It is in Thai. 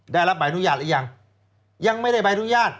ได้รับใบอนุญาตหรือยังยังไม่ได้ใบอนุญาต